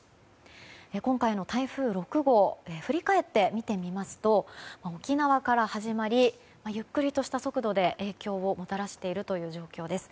今回の台風６号振り返って見てみますと沖縄から始まりゆっくりとした速度で影響をもたらしているという状況です。